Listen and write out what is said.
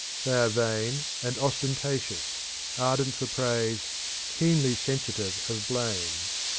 They are vain and ostentatious, ardent for praise, keenly sensitive of blame.